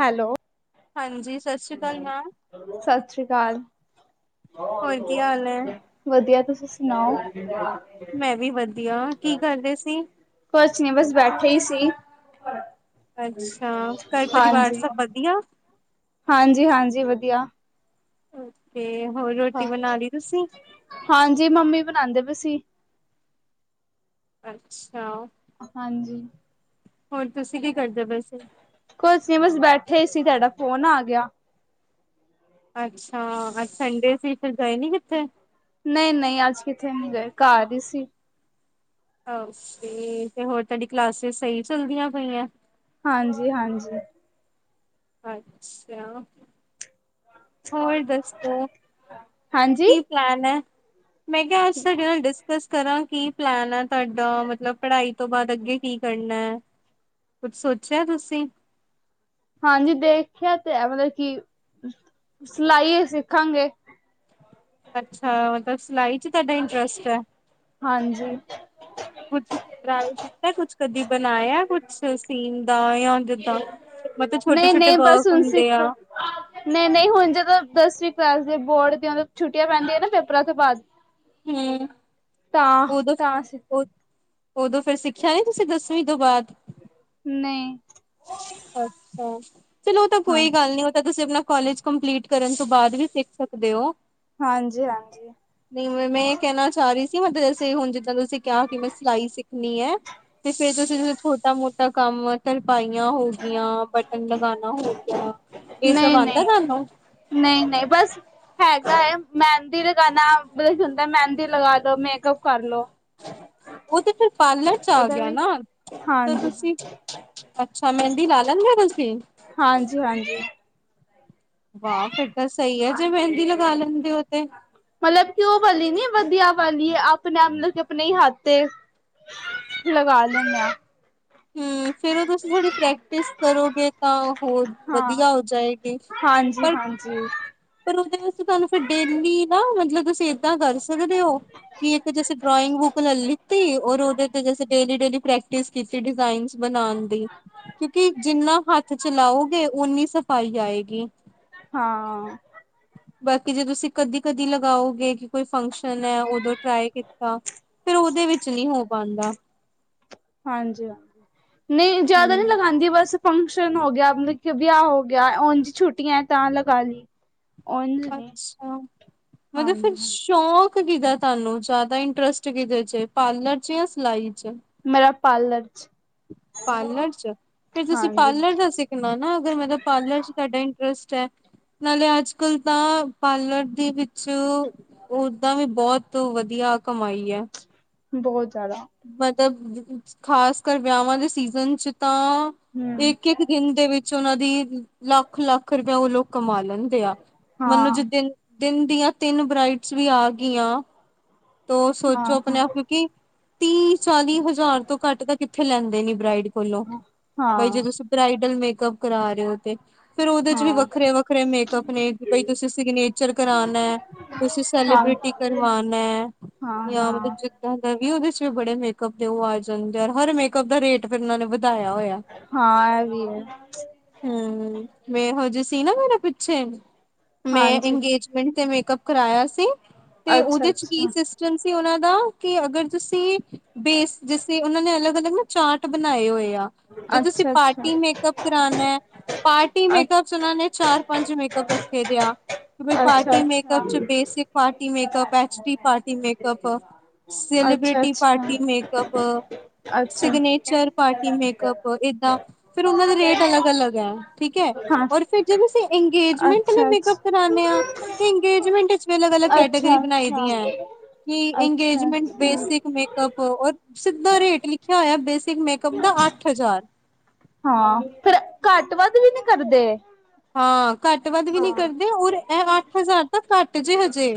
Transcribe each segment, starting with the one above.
Hello ਹਾਂਜੀ, ਸਸ ਸ੍ਰੀ ਕਾਲ ਮੈਮ। ਸਤਿ ਸ੍ਰੀ ਅਕਾਲ। ਹੋਰ ਕੀ ਹਾਲ ਹੈ ਵਧੀਆ, ਤੁਸੀਂ ਸੁਣਾਓ। ਮੈਂ ਵੀ ਵਧੀਆ, ਕੀ ਕਰ ਰਹੇ ਸੀ। ਕੁਛ ਨੀ ਬਸ ਬੈਠੇ ਹੀ ਸੀ, ਅੱਛਾ ਘਰ ਪਰਿਵਾਰ ਹਾਂਜੀ। ਸਭ ਵਧੀਆ। ਹਾਂਜੀ-ਹਾਂਜੀ ਵਧੀਆ। ਓਕੇ, ਹੋਰ ਰੋਟੀ ਬਨਾ ਲੀ ਤੁਸੀ। ਹਾਂਜੀ ਮੰਮੀ ਬਨਾਂਦੇ ਪੇ ਸੀ। ਅੱਛਾ। ਹਾਂਜੀ। ਹੋਰ, ਤੁਸੀਂ ਕੀ ਕਰਦੇ ਪੇ ਸੀ। ਕੁਛ ਨੀ ਬਸ ਬੈਠੇ ਹੀ ਸੀ ਤੁਹਾਡਾ ਫੋਨ ਆ ਗਿਆ। ਅੱਛਾ, ਅੱਜ ਸੰਡੇ ਸੀ ਫਿਰ ਗਏ ਨੀ ਕਿੱਥੇ। ਨਈਂ-ਨਈਂ ਅੱਜ ਕਿੱਥੇ ਨਹੀ ਗਏ ਘਰ ਹੀ ਸੀ। ਓਕੇ, ਤੇ ਹੋਰ ਤੁਹਾਡੀ ਕਲਾਸਿਸ ਸਹੀ ਚੱਲਦੀਆਂ ਪਈਆਂ। ਹਾਂਜੀ-ਹਾਂਜੀ। ਅੱਛਾ। ਹੋਰ ਦਸੋ ਹਾਂਜੀ ਕੀ ਪਲੈਨ ਹੈ ਮੈਂ ਕਿਹਾ ਅਜ ਸਾਡੇ ਨਾਲ ਡਿਸਕਸ ਕਰਾ ਕੀ ਪਲੈਨ ਹੈ ਤੁਹਾਡਾ ਮਤਲਬ ਪੜ੍ਹਾਈ ਤੋਂ ਬਾਅਦ ਅੱਗੇ ਕੀ ਕਰਨਾ। ਕੁੱਛ ਸੋਚਿਆ ਤੁਸੀ। ਹਾਂਜੀ ਦੇਖਿਆ ਤੇ ਹੈ ਮਤਲਬ ਕਿ ਸਿਲਾਈ ਉਹ ਹੀ ਸਿੱਖਾਂਗੇ। ਅੱਛਾ ਮਤਲਬ ਸਿਲਾਈ ਚ ਤੁਹਾਡਾ ਇੰਟਰਸਟ ਹੈ। ਹ ਕੁਛ ਟਰਾਈ ਕੀਤਾ ਕੁਛ ਕਦੀ ਬਣਾਇਆ ਕੁਛ ਸੀਨ ਦਾ ਯਾ ਜਿੱਦਾ ਮਤਲਬ ਛੋਟੇ-ਛੋਟੇ ਵਰਕ ਹੁੰਦੇ ਆ। ਨਹੀ-ਨਹੀ ਹੁਣ ਜਦੋ ਦਸਵੀ ਕਲਾਸ ਦੇ ਬੋਰਡ ਦੀਆ ਛੁੱਟੀਆ ਪੈਂਦੀਆ ਨਾ ਪੇਪਰਾ ਤੋ ਬਾਅਦ ਹਮ ਤਾਂ ਉਦੋ, ਤਾਂ ਉਦੋ ਫੇਰ ਸਿੱਖਿਆ ਨੀ ਤੁਸੀ ਦਸਵੀ ਤੋ ਬਾਦ। ਨਈ। ਅੱਛਾ ਚਲੋ ਉਹ ਤਾ ਹਾਂ ਕੋਈ ਗੱਲ ਨੀ ਉਹ ਤਾਂ ਤੁਸੀਂ ਆਪਣਾ ਕੋਲਜ ਕੰਪਲੀਟ ਕਰਨ ਤੋਂ ਬਾਅਦ ਵੀ ਸਿੱਖ ਸਕਦੇ ਹੋ, ਹਾਂਜੀ ਹਾਂਜੀ ਨਹੀ ਮੈਂ ਇਹ ਕਹਿਣਾ ਚਾ ਰਹੀ ਕੀ ਮਤਲ ਜੈਸੇ ਹੁਣ ਜਿੱਦਾਂ ਤੁਸੀਂ ਕਿਹਾ ਕਿ ਮੈਂ ਸਿਲਾਈ ਸਿੱਖਣੀ ਹੈ। ਤੇ ਫਿਰ ਛੋਟਾ-ਮੋਟਾ ਕੰਮ ਤਰਪਾਇਆ ਹੋਗਿਆ, ਬਟਨ ਲਗਾਣਾ ਹੋ ਗਿਆ ਇਹ ਸਭ ਨਈ-ਨਈ, ਆਉਂਦਾ ਤੁਹਾਨੂੰ ਨਈ-ਨਈ ਬਸ ਹੈਗਾ ਏ ਮਹਿੰਦੀ ਲਗਾਣਾ ਬਸ ਹੁਣਦਾ ਮਹਿੰਦੀ ਲਗਾਦੋ, ਮੇਕਅਪ ਕਰ ਲੋ ਉਹ ਤੇ ਫਿਰ ਪਾਰਲਰ ਚ ਆ ਉਹਦਾ ਗਿਆ ਵੀ ਨਾ, ਤੇ ਹਾਂਜੀ ਤੁਸੀਂ ਅੱਛਾ, ਮਹਿੰਦੀ ਲਾ ਲੈਣੇ ਓ ਤੁਸੀਂ? ਹਾਂਜੀ-ਹਾਂਜੀ। ਵਾਹ! ਫੇਰ ਤਾਂ ਸਈ ਐ, ਜੇ ਮਹਿੰਦੀ ਲਗਾ ਲੈਂਦੇ ਓ ਤੇ। ਮਤਲਬ ਕਿ ਉਹ ਵਾਲੀ ਨੀ, ਵਦੀਆ ਵਾਲੀ, ਅਪਣੇ ਮਤਲਬ ਕਿ ਅਪਣੇ ਈ ਹੱਥ ਤੇ ਲਗਾ ਲੈਣੇ ਆ। ਹੂੰ, ਫੇਰ ਉਹ ਤੁਸੀਂ ਥੋੜੀ ਪ੍ਰੈਕਟਿਸ ਕਰੋਗੇ ਤਾਂ ਹੋਰ ਵਦੀਆ ਹੋ ਜਾਏਗੀ। ਪਰ ਜੀ। ਪਰ ਉਹਦੇ ਵਿੱਚ ਤੁਆਨੂੰ ਫਿਰ ਡੇਲੀ ਨਾ ਮਤਲਬ ਤੁਸੀਂ ਏਦਾਂ ਕਰ ਸਕਦੇ ਓ। ਕਿ ਇੱਕ ਜੈਸੇ ਡਰਾਇੰਗ ਬੁੱਕ ਲੈ ਲੀੱਤੀ ਓਰ ਉਹਦੇ ਤੇ ਜੈੇਸੇ ਡੇਲੀ-ਡੇਲੀ ਪ੍ਰੈਕਟਿਸ ਕੀਤੀ ਡਿਜ਼ਾਇਨਸ ਬਣਾਣ ਦੀ। ਕਿਉਂਕਿ ਜਿੰਨਾ ਹੱਥ ਚਲਾਓਗੇ, ਓੱਨੀ ਸਫ਼ਾਈ ਆਏਗੀ। ਹਾਂ। ਬਾਕੀ ਜੇ ਤੁਸੀਂ ਕਦੀ-ਕਦੀ ਲਗਾਓਗੇ ਕਿ ਕੋਈ ਫੰਕਸ਼ਨ ਐ ਓਦੋ ਟਰਾਈ ਕੀਤਾ। ਫਿਰ ਉਹਦੇ ਵਿੱਚ ਨੀ ਹੋ ਪਾਂਦਾ। ਹਾਂਜੀ-ਹਾਂਜੀ, ਨਈ ਜੈਦਾ ਨੀ ਹਮ ਲਗਾਂਦੀ ਬਸ ਫੰਕਸ਼ਨ ਹੋ ਗਿਆ, ਮਤਲਬ ਕਿ ਵਿਆਹ ਹੋ ਗਿਆ, ਓਂਜ ਈ ਛੁੱਟੀਆਂ ਤਾਂ ਲਗਾ ਲਈ। ਉਝ ਨਹੀਂ ਅੱਛਾ, ਮਤਲਬ ਫਿਰ ਹਾਂਜੀ ਸ਼ੌਕ ਕਿਦਾ ਤੁਆਨੂੰ ਜੈਦਾ ਇੰਟਰਸਟ ਕਿਦੇ ਇਚ ਏ ਪਾਰਲਰ ਚ ਜਾਂ ਸਿਲਾਈ ਚ? ਮੇਰਾ ਪਾਰਲਰ ਚ। ਪਾਰਲਰ ਚ, ਫਿਰ ਤੁਸੀਂ ਹਾਂਜੀ ਪਾਰਲਰ ਦਾ ਸਿੱਖਣਾ ਨਾ ਅਗਰ ਮਤਲਬ ਪਾਰਲਰ ਚ ਤੁਆਡਾ ਇੰਟਰਸਟ ਐ। ਨਾਲੇ ਅੱਜਕੱਲ ਤਾਂ ਪਾਰਲਰ ਦੇ ਵਿੱਚ ਓੱਦਾਂ ਵੀ ਬੌਤ ਵਦੀਆ ਕਮਾਈ ਐ। ਬੌਤ ਜੈਦਾ। ਮਤਲਬ ਖ਼ਾਸ ਕਰ ਵਿਆਵਾ ਦੇ ਸੀਜ਼ਨ ਚ ਤਾਂ ਹਮ ਇੱਕ-ਇੱਕ ਦਿਨ ਦੇ ਵਿੱਚ ਉਹਨਾਂ ਦੀ ਲੱਖ-ਲੱਖ ਰੁਪਆ ਉਹ ਲੋਕ ਕਮਾ ਲੈਣ। ਦੇਆ, ਮਨ ਦੋ ਜੇ ਹਾਂ ਦਿਨ, ਦਿਨ ਦੀਆਂ ਤਿੰਨ ਬਰਾਇਡਸ ਵੀ ਆ ਗਿਆਂ ਤੋ ਹਾਂ ਸੋਚੋ ਅਪਣੇ ਹਾਂ ਆਪ ਨੂੰ ਕਿ ਤੀਹ ਚਾਲੀ ਹਜ਼ਾਰ ਤੋਂ ਘੱਟ ਤਾਂ ਕਿੱਥੇ ਲੈਂਦੇ ਨੀ ਬਰਾਈਡ ਕੋਲੋਂ, ਬਈ ਜੇ ਹਾਂ ਤੁਸੀ ਬਰਾਈਡਲ ਮੇਕਅਪ ਕਰਾ ਰਏ ਓ ਤੇ। ਫੇਰ ਉਹਦੇ ਚ ਵੀ ਹਾਂ ਵੱਖਰੇ-ਵੱਖਰੇ ਮੇਕਅੱਪ ਨੇ ਬਈ ਤੁਸੀਂ ਸਿਗਨੇਚਰ ਕਰਾਣਾ ਤੁਸੀਂ ਹਾਂ ਸੈਲੀਬ੍ਰਿਟੀ ਕਰਵਾਣਾ ਐ, ਹਾਂ ਜਾਂ ਮਤਲਬ ਹਾਂ ਜਿੱਦਾਂ ਦਾ ਵੀ ਉਹਦੇ ਚ ਵੀ ਬੜੇ ਮੇਕਅਪ ਉਹ ਆ ਜਾਂਦੇ, ਹਰ ਮੇਕਅਪ ਦਾ ਰੇਟ ਫਿਰ ਉਹਨਾਂ ਨੇ ਵਧਾਇਆ ਹੋਇਆ। ਹਾਂ ਇਹ ਵੀ ਹੈ ਹੂੰ, ਮੈ ਈਹੋ ਜੀ ਸੀ ਨਾ ਮੇਰਾ ਪਿੱਛੇ ਮੈਂ ਹਾਂਜੀ ਅੰਗੇਜ ਮੇਂਟ ਤੇ ਮੇਕਪ ਕਰਾਆ ਸੀ, ਤੇ ਅੱਛਾ ਉਹਦੇ ਚ ਕੀ ਅੱਛਾ ਸਿਸਟਮ ਸੀ ਉਹਨਾਂ ਦਾ ਕਿ ਅਗਰ ਤੁ ਸੀ, ਬੇਸ ਜਿਸੇ ਉਹਨਾਂ ਨੇ ਅਲੱਗ-ਅਲੱਗ ਨਾ ਚਾਰਟ ਬਣਾਏ ਹੋਏ ਆ। ਜੇ ਤੁਸੀਂ ਅੱਛਾ ਅੱਛਾ ਪਾਰਟੀ ਮੇਕਅਪ ਕਰਾਣਾ ਐ, ਪਾਰਟੀ ਅ ਮੇਕਅਪ ਉਹਨਾਂ ਨੇ ਚਾਰ, ਪੰਜ ਮੇਕਅੱਪ ਰੱਖੇ ਦੇਆ। ਕਿ ਬਈ ਅੱਛਾ ਪਾਰਟੀ ਮੇਕਅਪ ਚ basic party makeup, H D party makeup. ਅੱਛਾ ਸੈਲੀਬ੍ਰਿਟ ਅੱਛਾ ਅੱਛਾ ਟੀ ਪਾਰਟੀ ਮੇਕਅਪ, ਅੱਛਾ ਸਿਗਨੇਚਰ ਪਾਰਟੀ ਮੇਕਅੱਪ, ਏਦਾਂ ਫਿਰ ਉਹਨਾ ਦੇ ਰੇਟ ਅਲੱਗ-ਅਲੱਗ ਐ, ਠੀਕ ਐ, ਹਾਂ ਓਰ ਫੇਰ ਜਦ ਤੁਸੀਂ ਅੰਗੇਜਮੈਂਟ ਆਲੇ ਅੱਛਾ ਅੱਛਾ ਮੇਕਅਪ ਕਰਾਣੇ ਆ ਤੇ ਅੰਗੇਜਮੈਂਟ ਚ ਵੀ ਅਲੱਗ-ਅਲੱਗ ਕੈਟੇਗਰੀ ਅੱਛਾ ਬਣਾਈ ਅੱਛਾ ਦੀ ਐ। ਕਿ ਅੱਛਾ ਐੰਗੇਜਮੈਂਟ ਅੱਛਾ ਬੇਸਿਕ ਮੇਕਅਪ ਓਰ ਸਿੱਧਾ ਰੇਟ ਲਿਖਿਆ ਹੋਇਆ, ਬੇਸਿਕ ਮੇਕਅਪ ਦਾ ਅੱਠ ਹਜ਼ਾਰ। ਹਾਂ, ਫਿਰ ਘੱਟ ਵੱਧ ਵੀ ਨੀ ਕਰਦੇ। ਹਾਂ ਘੱਟ ਵੱਧ ਵੀ ਨਹੀਂ ਕਰਦੇ ਹਾਂ ਉਰ ਅੱਠ ਹਜ਼ਾਰ ਤਾਂ ਘੱਟ ਜੇ ਹਜੇ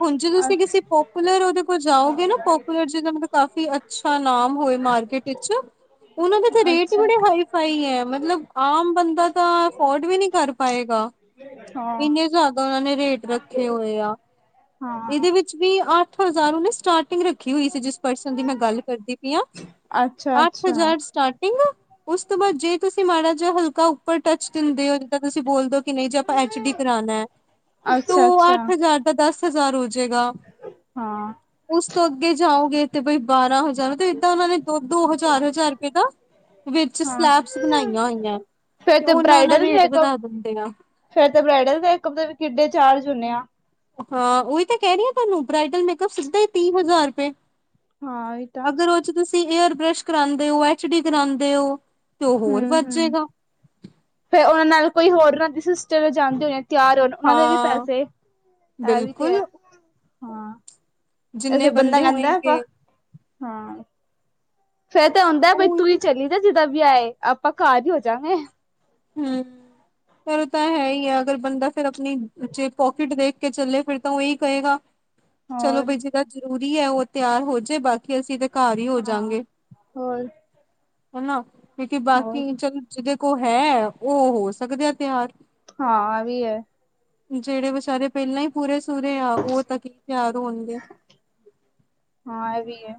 ਹੁਣ ਜੇ ਤੁਸੀਂ ਕਿਸੇ ਅੱਛਾ ਪ ਪਲਰ ਦੇ ਕੋਲ ਜਾਓਗੇ ਨਾ ਪਪੂਲਰ ਜਿ ਮਲਬ ਕਾਫੀ ਅੱਛਾ ਨਾਮ ਹੋ ਮਾਰਕੀਟ ਇਚ ਉਹਨਾਂ ਦੇ ਰੇਟ ਹੀ ਬੜੇ ਅੱਛਾ ਹਾਈ ਫਾਈ ਹੈ ਮਤਲਬ ਆਮ ਬੰਦਾ ਤਾਂ ਅਫੋਰਡ ਵੀ ਨਹੀਂ ਕਰ ਪਾਏਗਾ। ਹਾਂ ਏਨੇ ਜੈ ਦਾ ਉਹਨੇ ਰੇਟ ਰੱਖੇ ਹੋਏ ਆ, ਹਾਂ ਇਹਦੇ ਵਿੱਚ ਵੀ ਅੱਠ ਹਜ਼ਾਰ ਉਹਨੇ ਸਟਾਰਟਿੰਗ ਰੱਖ ਹੋਈ ਸੀ ਜਿਸ ਪਰਸਨ ਦੀ ਮੈਂ ਗੱਲ ਕਰਦੀ ਪਈ ਆ ਅੱਛਾ ਅੱਠ ਅੱਛਾ ਹਜ਼ਾਰ ਸਟਾ ਟੇਗੋਂ ਉਸ ਤੋਂ ਬਾਅਦ ਜੇ ਤੁਸੀਂ ਮਾੜਾ ਜਿਹਾ ਹਲਕਾ ਉੱਪਰ ਟੱਚ ਦਿੰਦੇ ਹੋ ਤਾਂ ਤੁਸੀਂ ਬੋਲਦੇੋ ਕਿ ਨਹੀਂ ਆ ਐਚ ਡੀ ਕਰਾਨਣਾ ਹੈ ਤੋ ਅੱਛਾ ਅੱਛਾ ਅੱਠ ਹਜ਼ਾਰ ਦਾ ਦਸ ਹਜ਼ਾਰ ਹੋ ਜਾਏਗਾ। ਹਾਂ। ਉਸ ਤੋਂ ਅੱਗੇ ਜਾਓਗੇ ਤੇ ਬਈ ਬਾਰਾਂ ਹਜਾ ਜਾ ਤੇ ਏਦਾਂ ਉਹਨਾਂ ਨੇ ਦੋ-ਦੋ ਹਜ਼ਾਰ-ਹਜ਼ਾਰ ਰੁਪਏ ਦਾ ਵਿੱਚ ਹਾਂ ਸਲੈਬਸ ਬਣਾਈਆਂ ਹੋਈਆਂ ਐ। ਫੇਰ ਤੇ ਬਰਾਈਡਲ ਤੇ ਆ। ਫੇਰ ਤੇ ਬ੍ਰਈਡਲ ਦੇ [unintelligible] ਕਿੱਡੇ ਚਾਰਜ ਹੁੰਣੇ ਆ। ਹਾਂ ਉਹੀ ਤਾਂ ਕਹਿ ਰਹੀ ਹਾਂ ਤੁਹਾਨੂੰ ਬ੍ਰਡਲ ਮੇਕਅਪ ਸਿੱਧਾ ਹੀ ਤੀਹ ਹਜ਼ਾਰ ਰੁਪਏ। ਹਾਂ ਇਹ ਤਾਂ ਅਗਰ ਉਹ 'ਚ ਤੁਸੀਂ ਏਅਰ ਬ੍ਰਸ਼ ਕਰਾਂਦੇ ਓ ਐਚ ਡੀ ਕਰਾਂਦੇ ਓ। ਤ ਹੋਰ ਵੱਧ ਜੇਗਾ। ਫਿਰ ਉਹਨਾਂ ਨਾਲ ਕੋਈ ਹੋਰ ਰਜ ਸਿਸਟਰ ਲ ਜਾਂਣਦੇ ਹੋਣੇ ਆ। ਤਿਆਰ ਹੋਣ ਉਹਨਾਂ ਦੇ ਵੀ ਹਾਂ ਪੈਸੇ ਇਹ ਵੀ ਤੇ ਬਿਲਕੁਲ ਹੈ। ਇਸੇ ਜਿੰਨੇ ਬੰਦਾ ਬੰਦੇ ਕਹਿੰਦਾ ਆਪ ਹੋਏਗੇ ਹਾਂ। ਫੇਰ ਤਾਂ ਹੁੰਂਦਾ ਬਈ ਤੂੰ ਹੀ ਉਹੀ ਚੱਲ ਜਾ ਜਿੱਦਾ ਵਿਆਹ ਏ ਆਪਾਂ ਘਰ ਹੀ ਹੋ ਜਾਗੇ। ਹੂੰ ਪਰ ਤਾਂ ਹੈ ਹੀ ਹੈ ਅਗਰ ਬੰਦਾ ਫਿਰ ਆਪਣੀ 'ਚ ਪੋਕਿਟ ਦੇਖ ਕੇ ਚੱਲੇ ਫਿਰ ਤਾਂ ਉਹੀ ਕਹੇਗਾ। ਚਲੋ ਹੋਰ ਬਈ ਜਿਹੜਾ ਜ਼ਰੂਰੀ ਹੈ ਉਹ ਤਿਆਰ ਹੋ ਜੇ ਬਾਕੀ ਅਸੀਂ ਤੇ ਘਾਰ ਹੀ ਹੋ ਹਾਂ ਜਾਂਗੇ। ਹੋਰ ਹਨਾ ਕਿਉਂਕਿ ਹੋਰ ਬਾਕੀ 'ਚ-'ਚ ਜਿਹਦੇ ਕੋਲ ਹੈ। ਉਹ ਹੋ ਸਕਦੇ ਆ ਤਿਆਰ ਹਾਂ ਆਵੀ ਐ। ਜਿਹੜੇ ਵਿਚਾਰੇ ਪਹਿਲਾਂ ਹੀ ਪੂਰੇ ਸੂੁਰੇ ਆ ਉਹ ਤਾਂ ਕੀ ਤਿਆਰ ਹੋਣਗੇ। ਹਾਂ ਇਹ ਵੀ ਏ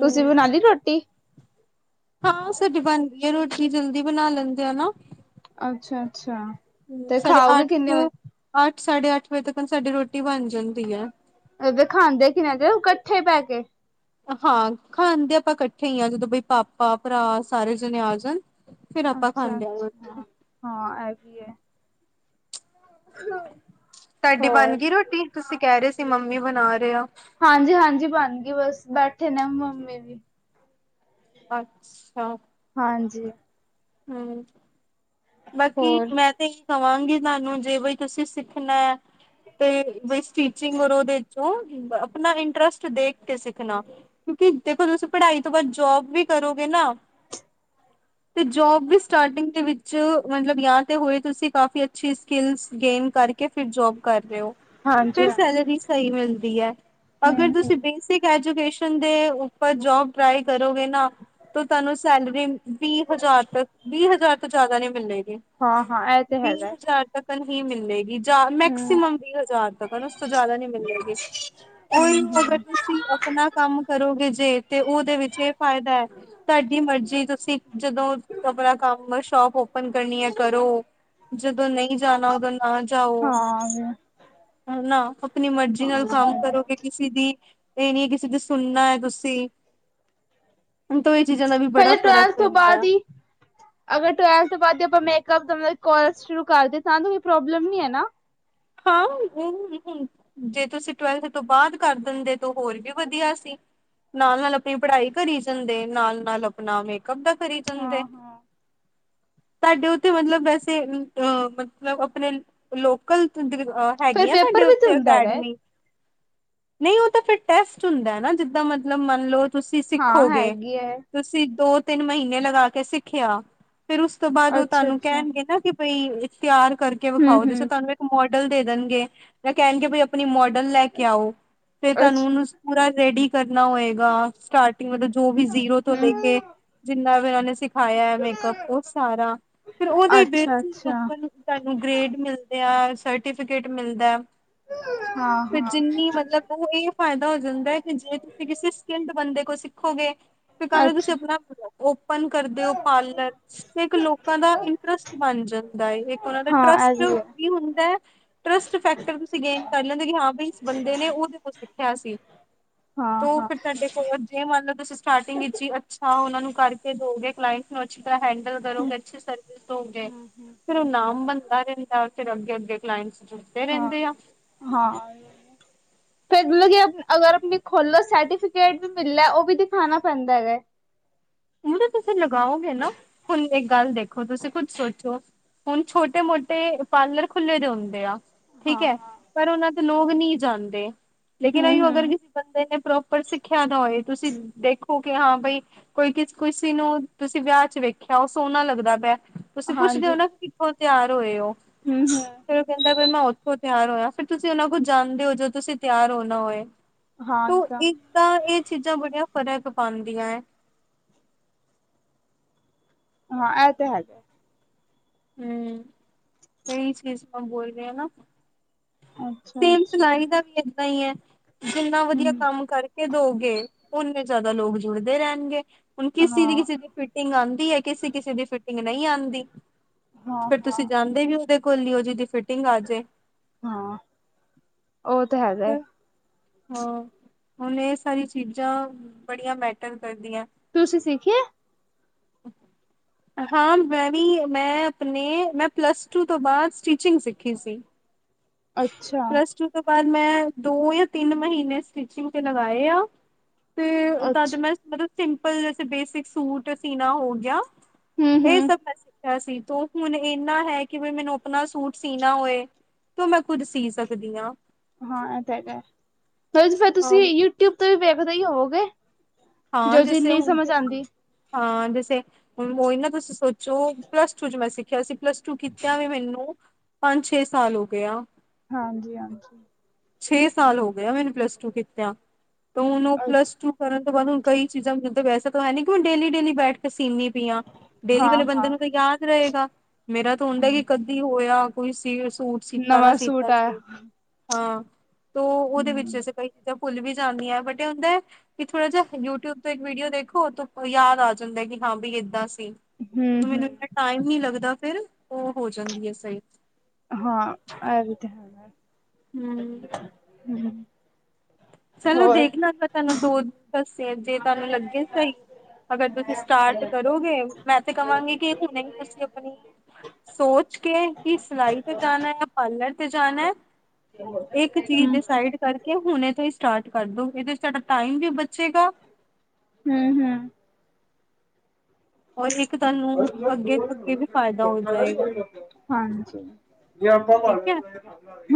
ਤੁਸੀਂ ਬਣਾ ਲਈ ਰੋਟੀ। ਹਾਂ ਸਾਡੀ ਬਣਦੀ ਹੈ ਰੋਟੀ ਜਲਦੀ ਬਣਾ ਲੈਂਦੇ ਆ ਨਾ। ਅੱਛਾ ਅੱਛਾ ਹੂੰ ਤੇ ਸਾਢੇ ਖਾਓਗੇ ਅੱਠ ਕਿੰਨੇ ਵਜੇ ਅੱਠ ਸਾਢੇ ਅੱਠ ਵਜੇ ਤੱਕ ਸਾਡੀ ਰੋਟੀ ਬਣ ਜਾਂਦੀ ਐ। ਅਗਰ ਖਾਂਦੇ ਕਿ ਨਾ ਤੇ ਕੱਠੇ ਬੈਹ ਕੇ ਹਾਂ ਖਾਣਦੇ ਆਪਾਂ ਕੱਠੇ ਹੀ ਹਾਂ ਜਦੋਂ ਬਈ ਪਾਪਾ ਭਰਾ ਸਾਰੇ ਜਣੇ ਆ ਜਣ। ਫੇਰ ਆਪਾਂ ਅੱਛਾ ਖਾਂਦੇ ਆ। ਅੱਛਾ ਹਾਂ ਇਹ ਵੀ ਐ। ਤੁਹਾਡੀ ਹੋਰ ਬਣ ਗਈ ਰੋਟੀ ਤੁਸੀਂ ਕਹਿ ਰਹੇ ਸੀ ਮੰਮੀ ਬਣਾ ਰਹੇ ਆ। ਹਾਂਜੀ-ਹਾਂਜੀ ਬਣ ਗਈ ਬਸ ਬੈਠੇ ਨੇ ਮੰਮੀ ਵੀ ਅੱਛਾ ਹਾਂਜੀ ਹੂੰ ਬਾਕੀ ਹੋਰ ਮੈਂ ਤੇ ਕਵਾਂਗੇ ਤੁਹਾਨੂੰ ਜੇ ਬਈ ਤੁਸੀਂ ਸਿੱਖਣਾ ਹੈ ਤੇ ਬਈ ਸਟੀਚਿੰਗ ਔਰ ਉਹਦੇ 'ਚ ਹੂੰ ਆਪਣਾ ਇੰਟਰਸਟ ਦੇਖ ਕੇ ਸਿੱਖਣਾ ਕਿਉਂਕਿ ਦੇਖੋ ਤੁਸੀਂ ਪੜ੍ਹਾਈ ਤੋਂ ਬਾਅਦ ਜੋਬ ਵੀ ਕਰੋਗੇ ਨਾ ਤੇ ਜੋਬ ਵੀ ਸਟਾਰਟਿੰਗ ਦੇ ਵਿੱਚ ਮਤਲਬ ਜਾਂ ਤੇ ਹੋਏ ਤੁਸੀਂ ਕਾਫੀ ਅੱਛੀ ਸਕਿੱਲਸ ਗੇਨ ਕਰਕੇ ਫਿਰ ਜੋਬ ਕਰ ਰਹੇ ਹੋ ਹਾਂਜੀ ਫਿਰ ਹਾਂ ਸੈਲਰੀ ਸਹੀ ਮਿਲਦੀ ਹੈ ਅਗਰ ਹਮ ਹਮ ਤੁਸੀਂ ਬੇਸਿਕ ਐਜੂਕੇਸ਼ਨ ਦੇ ਉੱਪਰ ਜੋਬ ਟਰਾਈ ਕਰੋਗੇ ਨਾ ਤੁਹਾਨੂੰ ਸੈਲਰੀ ਵੀ ਹਜ਼ਾਰ ਤੱਕ ਵੀਹ ਹਜ਼ਾਰ ਤੋਂ ਜ਼ਿਆਦਾ ਨਹੀਂ ਮਿਲੇਗੀ ਹਾਂ ਹਾਂ ਇਹ ਤੇ ਵੀਹ ਹੈਗਾ ਹਜ਼ਾਰ ਤੱਕ ਹੀ ਮਿਲੇਗੀ, ਹਮ ਮੈਕਸੀਮਮ ਵੀਹ ਹਜ਼ਾਰ ਤੱਕਣ ਉਸ ਤੋਂ ਜ਼ਿਆਦਾ ਨਹੀਂ ਮਿਲੇਗੀ ਉਹੀ ਹਮ ਹਮ ਅਗਰ ਤੁਸੀਂ ਆਪਣਾ ਕੰਮ ਕਰੋਗੇ ਜੇ, ਤੇ ਉਹਦੇ ਵਿੱਚ ਇਹ ਫਾਇਦਾ ਹੈ ਤੁਹਾਡੀ, ਮਰਜ਼ੀ ਤੁਸੀਂ ਜਦੋਂ ਆਪਣਾ ਕੰਮ, ਸ਼ੋਪ ਓਪਨ ਕਰਨੀ ਹੈ ਕਰੋ, ਜਦੋਂ ਨਹੀਂ ਜਾਣਾ ਉਦੋਂ ਹਾਂ, ਜਾਓ ਹਾਂ, ਨਾ ਆਪਣੀ ਮਰਜ਼ੀ ਨਾਲ ਕੰਮ ਹਾਂ ਕਰੋਗੇ ਕਿਸੇ ਦੀ ਇਹ ਨੀ ਹੈ ਕਿਸੇ ਤੇ ਸੁਣਨਾ ਹੈ ਤੁਸੀਂ ਹੁਣ ਤੋ ਇਹ ਚੀਜ਼ਾਂ ਦਾ ਵੀ ਬੜਾ ਪਹਿਲੇ ਫ਼ਰਕ ਟਵੈਲਥ ਤੋਂ ਬਾਅਦ ਹੀ [inaudible] ਅਗਰ ਟਵੈਲਥ ਤੋਂ ਬਾਅਦ ਜੇ ਆਪਾਂ ਮੇਕਅੱਪ ਦਾ ਕੋਰਸ ਸ਼ੁਰੂ ਕਰਦੀਏ ਤਾਂ, ਤੇ ਕੋਈ ਪ੍ਰੋਬਲਮ ਨੀ ਐ ਨਾਂ ਹਾਂ, ਹਮ-ਹਮ ਜੇ ਤੁਸੀਂ ਟਵੈਲਥ ਤੋਂ, ਬਾਅਦ ਕਰ ਦਿੰਦੇ, ਤਾਂ ਹੋਰ ਵੀ ਵਧੀਆ ਸੀ ਨਾਲ-ਨਾਲ, ਆਪਣੀ ਪੜ੍ਹਾਈ ਕਰੀ ਜਾਂਦੇ, ਨਾਲ-ਨਾਲ ਨਾ, ਮੇਕਅਪ ਦਾ ਕਰੀ ਜਾਂਦੇ ਹਾਂ-ਹਾਂ। ਤੁਹਾਡੇ ਉੱਥੇ ਮਤਲਬ, ਵੈਸੇ ਅ ਮਤਲਬ, ਆਪਣੇ ਲੋਕਲ ਫਿਰ ਹੈਗੀਆਂ, ਤੁਹਾਡੇ ਪੇਪਰ ਵੀ ਤੇ ਉੱਥੇ ਹੁੰਦਾ ਹੈਗਾ ਏ। ਅਕੈਡਮੀ? ਨਹੀਂ ਉਹ ਤਾਂ ਫਿਰ ਟੈਸਟ ਹੁੰਦਾ ਨਾ, ਜਿੱਦਾਂ ਮਤਲਬ ਮੰਨ ਲਓ ਤੁਸੀਂ ਹਾਂ ਸਿੱਖੋਗੇ। ਹੈਗੀ ਹੈ, ਤੁਸੀਂ ਦੋ, ਤਿੰਨ ਮਹੀਨੇ ਲਗਾ ਕੇ ਸਿੱਖਿਆ, ਫੇਰ ਉਸ ਤੋਂ ਬਾਅਦ, ਉਹ ਤੁਹਾਨੂੰ ਅੱਛਾ-ਅੱਛਾ, ਕਹਿਣਗੇ ਨਾ ਕਿ ਬਈ, ਤਿਆਰ ਕਰਕੇ ਵਿਖਾਓ, ਜਿਸ ਤਰਾਂ ਹੂੰ-ਹੂੰ, ਤੁਹਾਨੂੰ ਇੱਕ ਮੋਡਲ ਦੇ ਦੇਣਗੇ, ਜਾਂ ਕਹਿਣਗੇ ਬਈ ਆਪਣੀ, ਮੋਡਲ ਲੈ ਕੇ ਆਓ ਫੇਰ ਤੁਹਾਨੂੰ ਅੱਛਾ। ਉਹਨੂੰ ਪੂਰਾ ਰੈਡੀ ਕਰਨਾ ਹੋਏਗਾ, ਸਟਾਰਟਿੰਗ ਮਤਲਬ, ਜੋ ਵੀ ਜ਼ੀਰੋ ਤੋਂ ਲੈ ਕੇ ਜਿੰਨਾ ਵੀ ਉਹਨਾਂ ਨੇ, ਸਿਖਾਇਆ ਮੇਕਅੱਪ ਉਹ ਸਾਰਾ ਫਿਰ ਉਹਦੇ ਵਿੱਚ ਹੀ ਅੱਛਾ-ਅੱਛਾ, ਆਪਾਂ ਨੂੰ ਸਾਨੂੰ ਗ੍ਰੇਡ ਮਿਲਦੇ ਆ, ਸਰਟੀਫਿਕੇਟ ਮਿਲਦਾ ਫਿਰ ਹਾਂ-ਹਾਂ, ਜਿੰਨੀ ਮਤਲਬ, ਉਹ ਇਹ ਫਾਇਦਾ ਹੋ ਜਾਂਦਾ ਹੈ, ਕਿ ਜੇ ਤੁਸੀਂ ਕਿਸੇ ਸਕਿਲਡ ਬੰਦੇ ਕੋਲ ਸਿੱਖੋਗੇ ਫਿਰ ਕੱਲ ਨੂੰ ਤੁਸੀਂ, ਅੱਛਾ, ਆਪਣਾ ਓਪਨ ਕਰਦੇ ਹੋ ਪਾਰਲਰ ਇੱਕ ਲੋਕਾਂ ਦਾ ਇੰਟਰਸਟ ਬਣ ਜਾਂਦਾ ਹੈ ਏ, ਇੱਕ ਉਹਨਾ ਦਾ ਹਾਂ ਇਹ ਟਰਸਟ ਹੈ। ਵੀ ਹੁੰ ਦਾ, ਟ੍ਸਟ ਫੈਕਟਰ ਤੁਸੀਂ ਗੇਨ ਕਰ ਲੈਂਦੇ ਹੋ, ਕਿ ਹਾਂ ਬਈ, ਇਸ ਬੰਦੇ ਨੇ ਉਹਦੇ ਕੋਲ ਸਿੱਖਿਆ ਸੀ ਤੋ ਹਾਂ-ਹਾਂ, ਫਿਰ, ਤੁਹਾਡੇ ਕੋਲ ਜੇ ਮੰਨ ਲਓ ਤੁਸੀਂ ਸਟਾਰਟਿੰਗ ਵਿੱਚ ਹੀ ਅੱਛਾ ਉਹਨਾ ਨੂੰ ਕਰਕੇ ਦੋਗੇ, ਕਲਾਇੰਟ ਨੂੰ ਅੱਛੀ ਤਰ੍ਹਾਂ ਹੈਂਡਲ ਕਰੋਗੇ, ਅੱਛੀ ਸਰਵਿਸ ਦੋਗੇ, ਫਿਰ ਉਹ ਨਾਮ ਬਣ [unintelligible] ਫਿਰ ਅੱਗੇ-ਅੱਗੇ ਕਲਾਇੰਟਸ ਚ ਹਾਂ-ਹਾਂ [inaudible] ਫੇਰ ਮਤਲਬ ਕਿ, ਅਗਰ ਆਪਣੀ ਖੋਲੋ ਸਰਟੀਫਿਕੇਟ ਵੀ ਮਿਲਦਾ ਉਹ ਵੀ ਦਿਖਾਣਾ ਪੈਂਦਾ, ਹੈਗਾ ਉਹ ਜੇ ਤੁਸੀਂ ਲਗਾਓਗੇ ਨਾ, ਹੁਣ ਇੱਕ ਗੱਲ ਦੇਖੋ, ਤੁਸੀਂ ਖੁਦ ਸੋਚੋ ਹੁਣ ਛੋਟੇ ਮੋਟੇ, ਪਾਰਲਰ ਖੁੱਲ੍ਹੇ ਦੇ, ਹੁੰਦੇ ਆ ਠੀਕ ਹੈ, ਹਾਂ-ਹਾਂ। ਪਰ ਉਹਨਾਂ ਤੇ, ਲੋਕ ਨਹੀਂ ਜਾਂਦੇ ਲੇਕਿਨ ਇਹੀ ਔ ਅਗਰ ਹੂੰ-ਹੂੰ। ਕਿਸੇ ਬੰਦੇ ਨੇ, ਪ੍ਰੋਪਰ ਸਿੱਖਿਆ ਦਾ ਹੋਏ, ਤੁਸੀਂ ਦੇਖੋ ਕਿ ਹਾਂ ਬਾਈ ਕੋਈ ਕਿਸ ਕਿਸੇ ਨੂੰ ਤੁਸੀਂ ਵਿਆਹ ਚ ਵੇਖਿਆ, ਉਹ ਸੋਹਣਾ ਲੱਗਦਾ ਪਿਆ, ਤੁਸੀਂ ਪੁੱਛਦੇ ਹੋ ਨਾ ਕਿੱਥੋਂ, ਤਿਆਰ ਹੋਏ ਹੋ? ਹਮ -ਹਮ। ਫੇਰ ਉਹ ਕਹਿੰਦਾ, ਬੀ ਮੈਂ ਉੱਥੋਂ ਤਿਆਰ ਹੋਇਆ, ਫਿਰ ਤੁਸੀਂ ਉਹਨਾਂ ਕੋਲ ਜਾਂਦੇ ਹੋ, ਜਦੋਂ ਤੁਸੀਂ ਤਿਆਰ ਹੋਣਾ ਹੋਏ। ਹਾਂ, ਇਹ ਤਾਂ ਏਦਾਂ ਤਾਂ, ਇਹ ਚੀਜ਼ਾਂ ਬੜੀਆਂ ਫ਼ਰਕ ਪਾਉਂਦੀਆਂ ਹਾਂ, ਇਹ ਤੇ ਹੈਗਾ ਏ। ਹਮ, ਤੇ ਇਹ ਹੀ ਚੀਜ਼ ਮੈਂ ਬੋਲ ਰਹੀ ਹਾਂ, ਨਾ ਅੱਛਾ ਸੇਮ, ਅੱਛਾ। ਸਿਲਾਈ ਦਾ ਵੀ ਏਦਾਂ ਹੀ ਹੈ। ਜਿੰਨਾ ਵਧੀਆ ਹੂੰ ਕੰਮ ਕਰਕੇ ਦੋਗੇ, ਉਨੇ ਜ਼ਿਆਦਾ ਲੋਕ ਜੁੜਦੇ ਰਹਿਣਗੇ। ਹੁਣ, ਕਿਸੀੇ ਦੀ ਹਾਂ ਕਿਸੇ ਦੀ ਫਿਟਿੰਗ ਆਉਂਦੀ ਹੈ, ਕਿਸੇ- ਕਿਸੇ ਦੀ ਫਿਟਿੰਗ ਨਹੀਂ ਆਉਂਦੀ, ਹਾਂ ਫਿਰ ਤੁਸੀਂ ਹਾਂ ਜਾਂਦੇ ਵੀ ਉਹਦੇ ਕੋਲ ਹੀ ਹੋ ਜਿਹਦੀ ਫਿਟਿੰਗ ਆ ਜੇ। ਹਾਂ, ਉਹ ਤਾਂ ਹੈਗਾ ਐ। ਹਾਂ, ਹੁਣ ਇਹ ਸਾਰੀ ਚੀਜ਼ਾਂ ਬੜੀਆਂ ਮੈਟਰ ਕਰਦੀਆਂ। ਤੁਸੀਂ ਸਿੱਖਿਆ। [unintelligible] ਹਾਂ, ਮੈਂ ਵੀ, ਮੈਂ ਅਪਣੇ ਮੈਂ ਪਲੱਸ ਟੂ ਤੋਂ ਬਾਦ ਸਟੀਚਿੰਗ ਸਿੱਖੀ ਸੀ। ਅੱਛਾ। ਪਲੱਸ ਟੂ ਤੋਂ ਬਾਅਦ, ਮੈਂ ਦੋ ਜਾਂ ਤਿੰਨ, ਮਹੀਨੇ ਸਟਿਚਿੰਗ ਤੇ ਲਗਾਏ ਆ। ਤੇ ਤਾਂ ਤੇ ਅੱਛਾ ਮੈਂ ਮਤਲਬ, ਸਿੰਪਲ ਜੈਸੇ ਬੇਸਿਕ ਸੂਟ ਸੀਣਾ ਹੋ ਗਿਆ। ਹੂੰ ਇਹ ਹੂੰ। ਸਬ ਮੈਂ ਸਿੱਖਿਆ ਸੀ ਤੂੰ ਹੁਣ ਇਨਾ ਹੈ ਕਿ ਬਈ ਮੈਨੂੰ ਅਪਣਾ ਸੂਟ ਸੀਣਾ ਹੋਏ ਤੋ ਮੈਂ ਕੁੱਝ ਸੀ ਸਕਦੀ ਆ। ਹਾਂ, ਇਹ ਤਾਂ ਹੈਗਾ, ਫਿਰ ਤੁ ਫਿਰ ਹਾਂ ਤੁਸੀਂ ਯੂਟਿਊਬ ਤੇ ਵੀ ਵੇਖਦੇ ਈ ਹੋਵੋਗੇ। ਜੋ ਚੀਜ਼ ਨਈ ਸਮਝ ਆਂਦੀ। ਹਾਂ, ਜੈਸੇ ਹੁਣ ਉਹੀ ਨਾ ਤੁਸੀਂ ਸੋਚੋ, ਪਲੱਸ ਟੂ ਚ ਮੈਂ ਸਿੱਖਿਆ ਸੀ ਪਲੱਸ ਟੂ ਕੀਤਯਾ ਵੀ ਮੈਨੂੰ ਪੰਜ, ਛੇ ਸਾਲ ਹੋਗੇ ਆ। ਹਾਂਜੀ, ਹਾਂਜੀ। ਛੇ ਸਾਲ ਹੋ ਗਿਆ ਮੈਨੂੰ ਪਲੱਸ ਟੂ ਕੀਤਾ ਤੇ ਹੁਣ ਉਹ ਪਲੱਸ ਅੱਛਾ ਟੂ ਕਰਨ ਤੋਂ ਬਾਦ ਹੁਣ ਕਈ ਚੀਜ਼ਾਂ ਮ ਵੈਸੇ ਤਾਂ ਹੈ ਨੀ ਕੀ ਮੈ ਡੇਲੀ- ਡੇਲੀ ਬੈਠ ਕੇ ਸੀਨੀ ਪਈਆਂ। ਡੇਲੀ ਹਾਂ ਵਾਲੇ ਹਾਂ ਬੰਦੇ ਨੂੰ ਤਾਂ ਯਾਦ ਰਏਗਾ, ਮੇਰਾ ਤਾਂ ਹੁੰਦਾ ਕਿ ਹੂੰ। ਕਦੀ ਹੋਇਆ ਕੋਈ ਸੀ ਸੂਟ ਸਿੱਤਾ ਨਾ ਨਵਾਂ ਸੂਟ ਸਿੱਤਾ ਆਇਆ ਸੀ। ਹਾਂ, ਤੋ ਉਹਦੇ ਵਿੱਚ ਹੂੰ ਅਸੀਂ ਕਈ ਚੀਜ਼ਾਂ ਭੁਲ ਵੀ ਜਾਂਦੀਆਂ ਬਟ ਇਹ ਹੁੰਦਾ ਵੀ ਥੋੜਾ ਜਿਹਾ ਯੂਟਿਊਬ ਤੋਂ ਇੱਕ ਵੀਡੀਓ ਦੇਖੋ ਉਹ ਤੋਂ ਯਾਦ ਆ ਜਾਂਦਾ ਐ ਕਿ ਹਾਂ ਬ ਏਦਾਂ ਸੀ। ਹੂੰ। ਮੈਨੂੰ ਇੰਨਾ ਟਾਈਮ ਨੀ ਲੱਗਦਾ ਫੇਰ, ਉਹ ਹੋ ਜਾਂਦੀ ਐ ਸਈ। ਹਾਂ, ਐ ਰੀ ਤੇ ਹੈ। ਹੂੰ। ਹੂੰ। ਚਲੋ ਹੋਰ ਦੇਖਣਾ ਪਤਾ ਨਾ ਦੁ ਦੱਸਿਆ ਜੇ ਤੁਆਨੂੰ ਲੱਗੇ ਸਈ, ਅਗਰ ਤੁਸੀਂ ਸਟਾਰਟ ਕਰੋਗੇ ਮੈਂ ਤੇ ਕਵਾਂਗੀ ਕਿ ਹੁਣੇ ਹੀ ਤੁਸੀਂ ਅਪਣੀ ਸੋਚ ਕੇ ਕਿ ਸਿਲਾਈ ਤੇ ਜਾਣਾ ਯਾ ਪਾਰਲਰ ਤੇ ਜਾਣਾ? ਇੱਕ ਚੀਜ਼ ਹੂੰ। ਡਿਸਾਈਡ ਕਰਕੇ ਹੁਣੇ ਤੋਂ ਸਟਾਰਟ ਕਰਦੋ, ਇਹਦੇ ਚ ਤੁਆਡਾ ਟਾਈਮ ਵੀ ਬਚੇਗਾ ਹੂੰ, ਹੂੰ। ਓਰ ਇੱਕ ਤੁਆਨੂੰ ਅੱਗੇ, ਅੱਗੇ ਵੀ ਫਾਇਦਾ ਹੋ ਜਾਏਗਾ। ਹਾਂਜੀ। ਠੀਕ ਐ,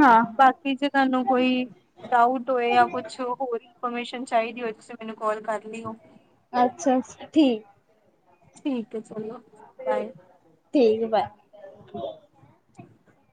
ਹਾਂ, ਬਾਕੀ ਜੇ ਤੁਆਨੂੰ ਕੋਈ ਡਾਊਟ ਹੋਏ ਯਾ ਕੁਛ ਹੋਰ ਹੀ ਫੋਰਮੇਸ਼ਨ ਚਾਈਦੀ ਓਏ, ਤੁਸੀਂ ਮੈਨੂੰ ਕੋਲ ਕਰ ਲਈਓ। ਅੱਛ ਛਾ ਠੀਕ। ਠੀਕ ਐ, ਚਲੋ ਬਾਏ। ਠੀਕ ਬੈ। [inaudible]